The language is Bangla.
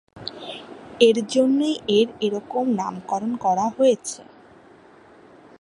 এজন্যই এর এরকম নামকরণ করা হয়েছে।